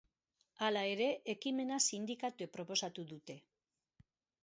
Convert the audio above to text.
Hala ere, ekimena sindikatuek proposatu dute.